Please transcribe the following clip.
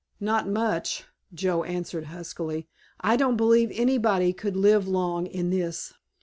"Not much," Joe answered huskily. "I don't believe anybody could live long in this."